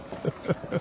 ハハハ。